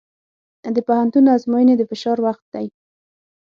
د پوهنتون ازموینې د فشار وخت دی.